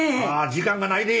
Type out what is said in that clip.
時間がないで。